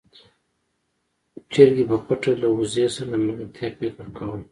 چرګې په پټه له وزې سره د ملګرتيا فکر کاوه.